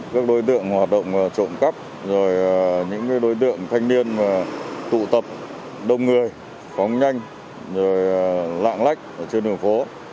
rồi những đối tượng thanh niên tụ tập đông người phóng nhanh lạng lách trên đường phố